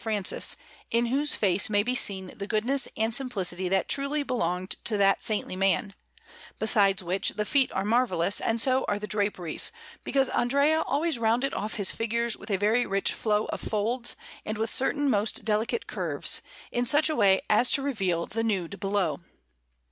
Francis, in whose face may be seen the goodness and simplicity that truly belonged to that saintly man; besides which, the feet are marvellous, and so are the draperies, because Andrea always rounded off his figures with a very rich flow of folds and with certain most delicate curves, in such a way as to reveal the nude below.